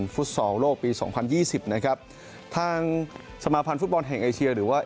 ฟุตซอลโลกปีสองพันยี่สิบนะครับทางสมาพันธ์ฟุตบอลแห่งเอเชียหรือว่า